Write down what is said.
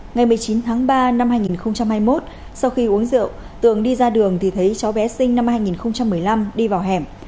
ngày một mươi chín tháng ba năm hai nghìn hai mươi một sau khi uống rượu tường đi ra đường thì thấy cháu bé sinh năm hai nghìn một mươi năm đi vào hẻm